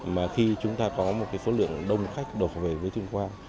mà khi chúng ta có một số lượng đông khách đổ về với tuyên quang